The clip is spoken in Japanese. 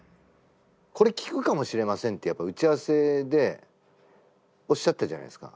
これ聞くかもしれませんって打ち合わせでおっしゃったじゃないですか。